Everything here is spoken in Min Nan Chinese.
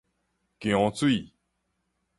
薑水